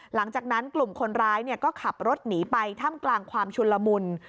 หลังจากนั้นกลุ่มคนร้ายก็ขับรถหนีไปถ้ำกลางความชุนละมุน